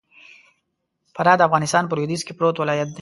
فراه د افغانستان په لوېديځ کي پروت ولايت دئ.